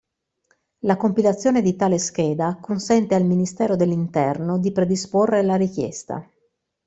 La compilazione di tale scheda consente al Ministero dell'Interno di predisporre la richiesta.